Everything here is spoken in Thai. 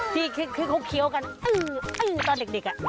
ที่เขาเคี้ยวกันตอนเด็กน่ะ